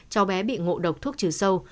cháu bé bị ngộ độc thuốc trừ sâu